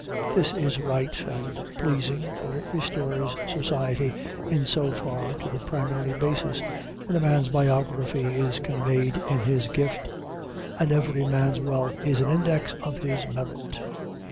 This is right and pleasing, for it restores society in so far to the primary basis, when a man's biography is conveyed in his gift, and every man's wealth is an index of his merit.